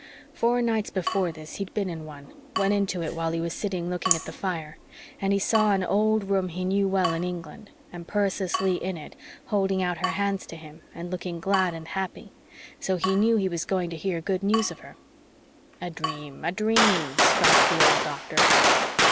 Four nights before this he'd been in one went into it while he was sitting looking at the fire. And he saw an old room he knew well in England, and Persis Leigh in it, holding out her hands to him and looking glad and happy. So he knew he was going to hear good news of her." "A dream a dream," scoffed the old Doctor.